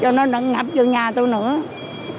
cho nó ngập vô nhà tôi nữa